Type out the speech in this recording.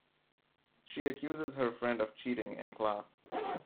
She accuses her friend of cheating in class.